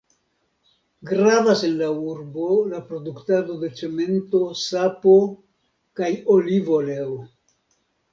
Gravas en la urbo, la produktado de cemento, sapo kaj olivoleo.